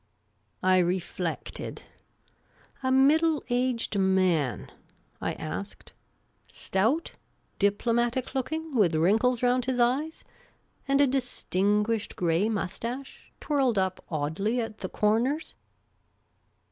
I reflected. " A middle aged man ?" I asked, *" Stout, diplomatic looking, with wrinkles round his eyes, and a dis tinguished grey moustache, twirled up oddly at the corners